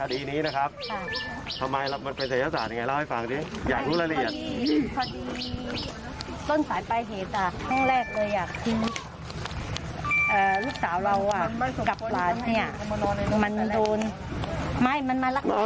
ตอนแรกเลยลูกสาวเรากลับร้านมันโดนไม่มันมารัก